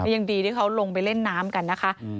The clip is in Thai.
ยังดีที่เขาลงไปเล่นน้ำกันนะคะ